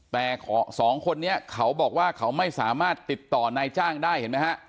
แต่สองคนนี้เขาบอกว่าเขาไม่สามารถติดต่อนายจ้างได้เห็นไหมฮะ